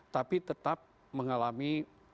tapi tetap mengalami